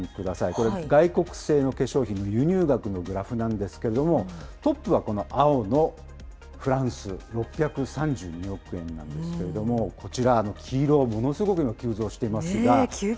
これ、外国製の化粧品の輸入額のグラフなんですけれども、トップはこの青のフランス、６３２億円なんですけれども、こちら、黄色、ものすごく急増していますが。